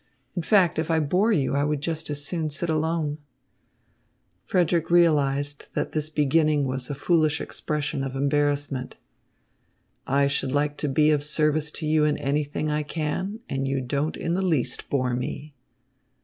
In fact, if I bore you, I would just as soon sit alone." Frederick realised that this beginning was a foolish expression of embarrassment. "I should like to be of service to you in anything I can, and you don't in the least bore me."